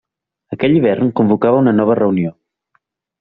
Aquell hivern convocava una nova reunió.